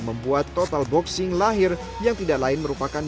membuat total boxing lahir yang tidak lain merupakan